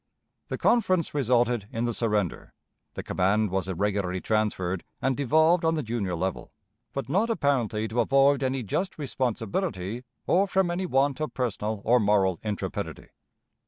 "The conference resulted in the surrender. The command was irregularly transferred, and devolved on the junior general; but not apparently to avoid any just responsibility or from any want of personal or moral intrepidity.